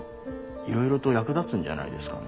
いろいろと役立つんじゃないですかね？